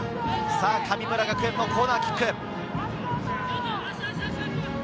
神村学園のコーナーキック。